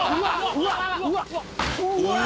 うわ！